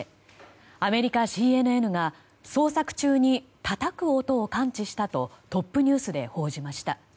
アメリカＣＮＮが捜索中にたたく音を感知したとトップニュースで報じました。